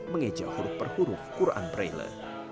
mengejar huruf perhuruf qur an braille